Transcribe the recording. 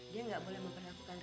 dia gak boleh memperlakukan rere